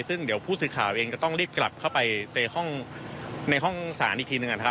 ซึ่งเดี๋ยวผู้สื่อข่าวเองจะต้องรีบกลับเข้าไปในห้องในห้องศาลอีกทีหนึ่งนะครับ